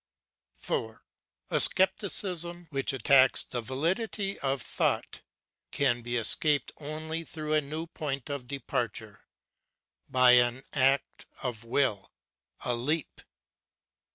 4. A scepticism which attacks the validity of thought can be escaped only through a new point of departure, by an act of will, a leap.